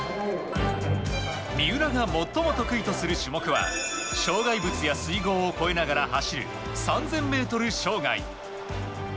三浦が最も得意とする種目は障害物や水濠を越えながら走る３０００ｍ障害。